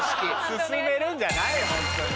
進めるんじゃないホントに。